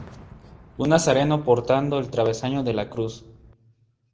Un Nazareno portando el travesaño de la cruz.